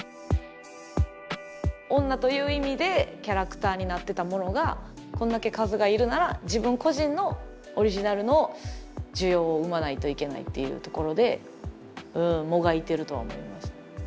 女という意味でキャラクターになってたものがこんだけ数がいるなら自分個人のオリジナルの需要を生まないといけないっていうところでもがいてるとは思いますね。